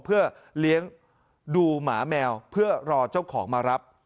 เพื่อเลี้ยงดูหมาแมวเพื่อรอเจ้าของมารับ